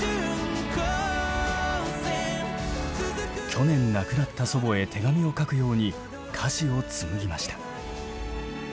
去年亡くなった祖母へ手紙を書くように歌詞を紡ぎました。